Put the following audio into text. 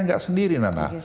nggak sendiri nana